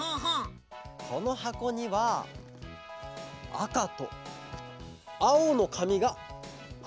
このはこにはあかとあおのかみがはってあります。